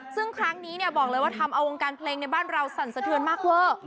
ซึ่งครั้งนี้เนี่ยบอกเลยว่าทำเอาวงการเพลงในบ้านเราสั่นสะเทือนมากเวอร์